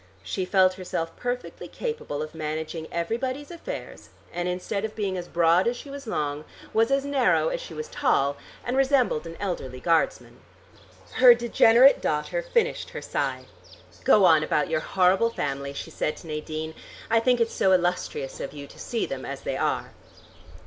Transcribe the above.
She felt herself perfectly capable of managing everybody's affairs, and instead of being as broad as she was long, was as narrow as she was tall, and resembled an elderly guardsman. Her degenerate daughter finished her sigh. "Go on about your horrible family," she said to Nadine. "I think it's so illustrious of you to see them as they are."